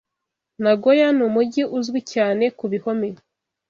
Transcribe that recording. Nagoya numujyi uzwi cyane kubihome.